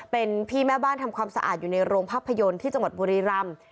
เป็นพี่แม่บ้านทำความสะอาดอยู่ในโรงภาพยนตร์ที่จังหวัดบุรีรำ